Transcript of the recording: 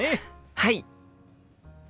はい！